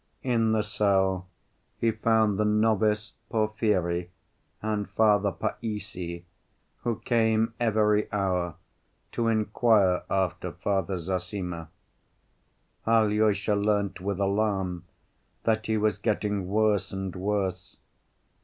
In the cell he found the novice Porfiry and Father Païssy, who came every hour to inquire after Father Zossima. Alyosha learnt with alarm that he was getting worse and worse.